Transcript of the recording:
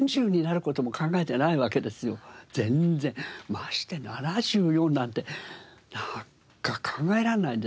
まして７４なんてなんか考えられないですね。